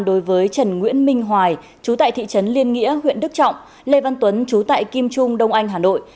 đối với trần nguyễn minh hoài chú tại thị trấn liên nghĩa huyện đức trọng lê văn tuấn chú tại kim trung đông anh hà nội